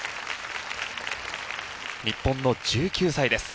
日本の１９歳です。